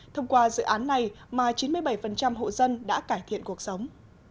thông qua dự án này mà chín mươi bảy hộ dân đã cải thiện cuộc sống